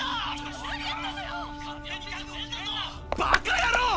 バカやろう！